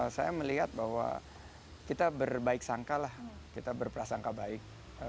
saya melihat bahwa kita berbaik sangka lah kita berprasangka baik